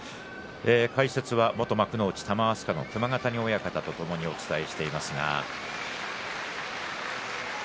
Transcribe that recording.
解説は元幕内玉飛鳥の熊ヶ谷親方とお伝えしています。